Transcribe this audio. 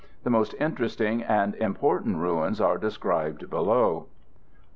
The most interesting and important ruins are described below.